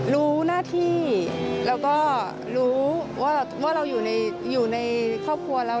รู้หน้าที่แล้วก็รู้ว่าเราอยู่ในครอบครัวเรา